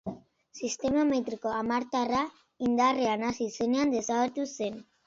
Sistema metriko hamartarra indarrean hasi zenean desagertu zen.